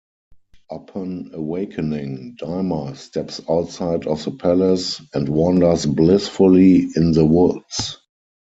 Upon awakening, Dymer steps outside of the palace and wanders blissfully in the woods.